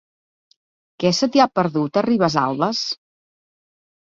Què se t'hi ha perdut, a Ribesalbes?